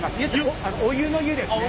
お湯の湯ですね。